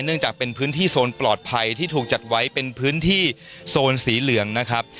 เนื่องจากเป็นพื้นที่โซนปลอดภัยที่ถูกจัดไว้เป็นพื้นที่โซนสีเหลืองนะครับ